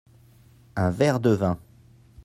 un verre de vin.